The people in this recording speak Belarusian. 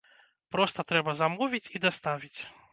Проста трэба замовіць і даставіць.